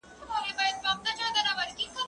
که وخت وي، درسونه لوستل کوم؟!